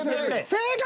正解！